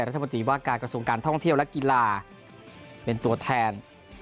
รัฐมนตรีว่าการกระทรวงการท่องเที่ยวและกีฬาเป็นตัวแทน